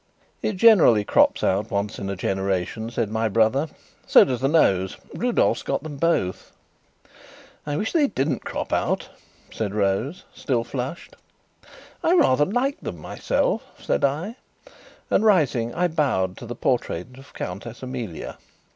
"It generally crops out once in a generation," said my brother. "So does the nose. Rudolf has got them both." "I wish they didn't crop out," said Rose, still flushed. "I rather like them myself," said I, and, rising, I bowed to the portrait of Countess Amelia.